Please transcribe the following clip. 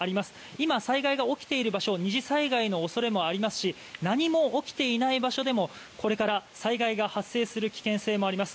今、災害が起きている場所二次災害の恐れもありますし何も起きていない場所でもこれから災害が発生する危険性もあります。